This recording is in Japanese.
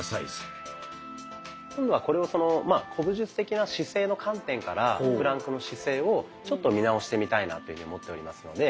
今度はこれを古武術的な姿勢の観点からプランクの姿勢をちょっと見直してみたいなと思っておりますので。